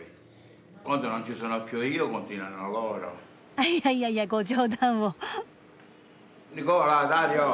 あっいやいやいやご冗談を。